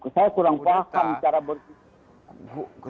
saya kurang paham cara berpikir